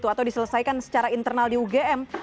atau diselesaikan secara internal di ugm